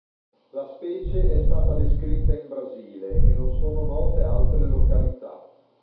La specie è stata descritta in Brasile e non sono note altre località.